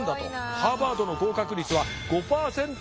ハーバードの合格率は５％未満。